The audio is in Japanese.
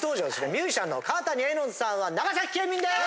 ミュージシャンの川谷絵音さんは長崎県民です！